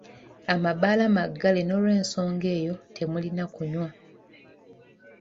Amabaala maggale, n’olw’ensonga eyo temulina kunywa.